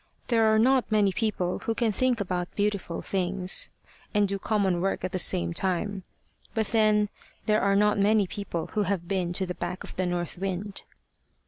There are not many people who can think about beautiful things and do common work at the same time. But then there are not many people who have been to the back of the north wind.